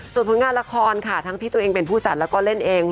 ส่วนผลงานละครค่ะทั้งที่ตัวเองเป็นผู้จัดแล้วก็เล่นเอง